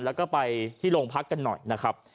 แล้วก็ไปที่โรงพักกันหน่อยนะครับ